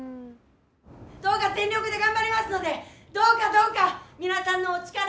どうか全力で頑張りますのでどうかどうか皆さんのお力を貸してください。